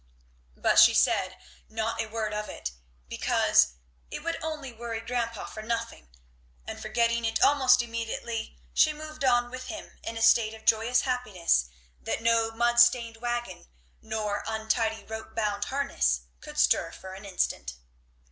But she said not a word of it, because "it would only worry grandpa for nothing;" and forgetting it almost immediately she moved on with him in a state of joyous happiness that no mud stained wagon nor untidy rope bound harness could stir for an instant.